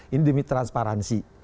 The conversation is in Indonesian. ini demi transparansi